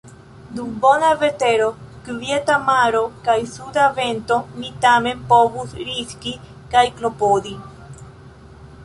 Dum bona vetero, kvieta maro kaj suda vento mi tamen povus riski kaj klopodi.